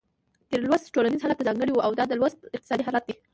تېر لوست ټولنیز حالت ته ځانګړی و او دا لوست اقتصادي حالت ته دی.